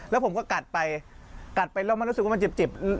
แล้วผมก็กัดไปกัดไปแล้วมันรู้สึกว่ามันเจ็บ